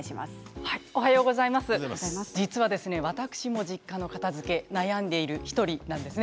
実は私も実家の片づけ悩んでいる１人なんです。